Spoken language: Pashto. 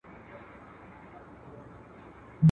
منظور پښتین ته:.